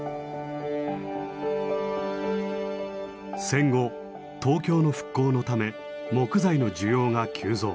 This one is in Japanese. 戦後東京の復興のため木材の需要が急増。